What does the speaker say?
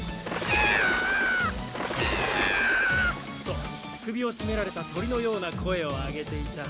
ギャーッ！と首をしめられた鳥のような声を上げていた。